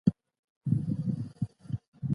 چې د ابادۍ لاره ده.